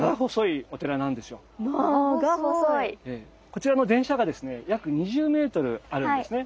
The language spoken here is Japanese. こちらの電車がですね約２０ｍあるんですね。